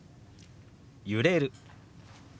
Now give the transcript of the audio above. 「揺れる」。